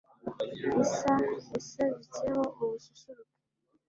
isa yasabitseho ubususuruke